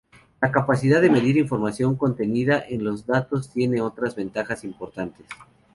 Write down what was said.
La capacidad de medir información contenida en los datos tiene otras ventajas importantes.